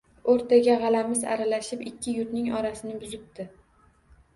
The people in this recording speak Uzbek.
O‘rtaga g‘alamis aralashib ikki yurtning orasini buzibdi.